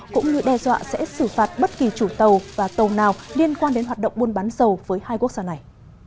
cũng như đe dọa sẽ xử phạt bất kỳ chủ tàu và tàu nào liên quan đến hoạt động buôn bán dầu với hai quốc gia này